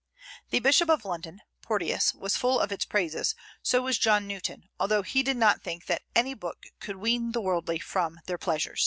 The Bishop of London (Porteus) was full of its praises; so was John Newton, although he did not think that any book could wean the worldly from their pleasures.